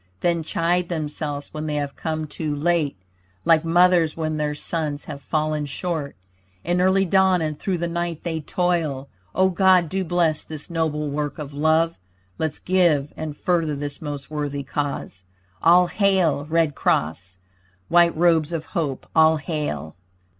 Then chide themselves when they have come too late! Like mothers when their sons have fallen short; In early dawn and through the night they toil. O God do bless this noble work of love; Let's give and further this most worthy cause. All hail Red Cross! White robes of hope, all hail!